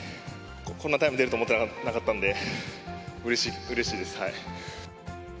こんなタイム出ると思ってなかったんで、うれしいです。